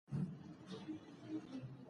ایا بدن بوی تل د عطر پرځای کنټرول کېدی شي؟